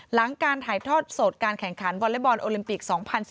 หลังการถ่ายทอดสดการแข่งขันวอเล็กบอลโอลิมปิก๒๐๑๙